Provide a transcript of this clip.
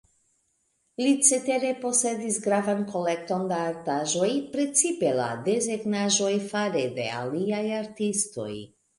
Li cetere posedis gravan kolekton da artaĵoj, precipe da desegnaĵoj fare de aliaj artistoj.